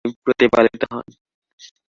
তিনি প্রতিপালিত হন।